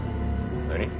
何！？